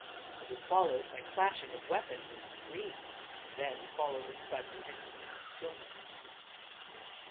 It was followed by clashing of weapons and screams; then followed a sudden and deep stillness.